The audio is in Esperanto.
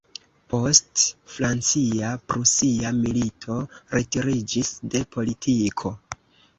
Post Francia-Prusia Milito retiriĝis de politiko.